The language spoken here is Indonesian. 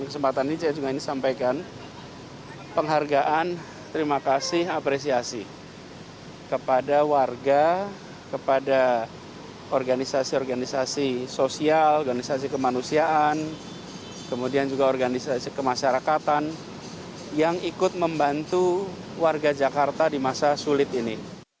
saya ingin menyampaikan penghargaan terima kasih apresiasi kepada warga kepada organisasi organisasi sosial organisasi kemanusiaan kemudian juga organisasi kemasyarakatan yang ikut membantu warga jakarta di masa sulit ini